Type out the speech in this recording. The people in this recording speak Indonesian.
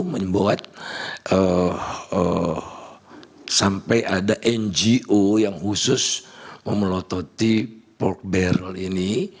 membuat sampai ada ngo yang khusus memelototi port barrel ini